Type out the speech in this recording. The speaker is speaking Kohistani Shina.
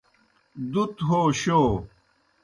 دُت ہو شو